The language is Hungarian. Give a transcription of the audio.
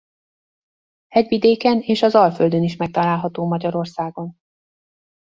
Hegyvidéken és az Alföldön is megtalálható Magyarországon.